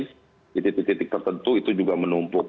di titik titik tertentu itu juga menumpuk